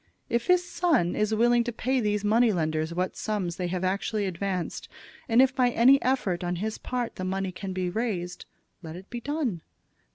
If his son is willing to pay these money lenders what sums they have actually advanced, and if by any effort on his part the money can be raised, let it be done.